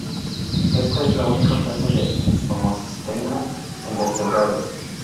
Esta es la única fuente de homocisteína en vertebrados.